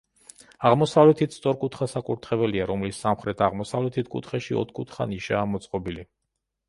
აღმოსავლეთით სწორკუთხა საკურთხეველია, რომლის სამხრეთ-აღმოსავლეთ კუთხეში ოთხკუთხა ნიშაა მოწყობილი.